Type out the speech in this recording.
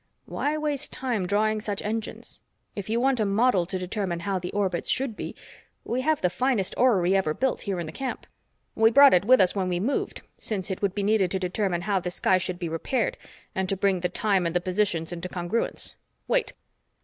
"Why waste time drawing such engines? If you want a model to determine how the orbits should be, we have the finest orrery ever built here in the camp. We brought it with us when we moved, since it would be needed to determine how the sky should be repaired and to bring the time and the positions into congruence. Wait!"